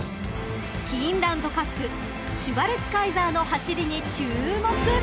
［キーンランドカップシュバルツカイザーの走りに注目］